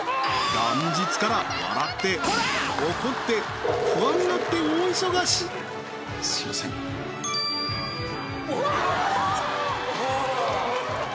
元日から笑って怒って不安になって大忙しすいませんうわ！